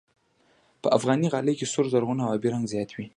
په افغاني غالۍ کې سور، زرغون او آبي رنګ زیات وي.